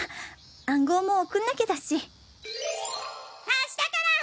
暗号も送んなきゃだし明日から。